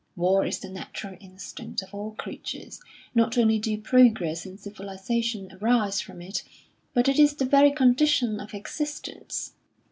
War is the natural instinct of all creatures; not only do progress and civilisation arise from it, but it is the very condition of existence.